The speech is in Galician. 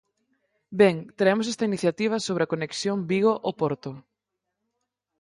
Ben, traemos esta iniciativa sobre a conexión Vigo-O Porto.